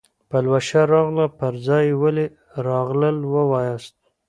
پلوشه راغله پر ځای ولې راغلل وایاست.